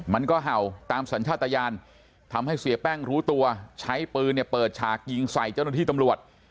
เห่าตามสัญชาติยานทำให้เสียแป้งรู้ตัวใช้ปืนเนี่ยเปิดฉากยิงใส่เจ้าหน้าที่ตำรวจ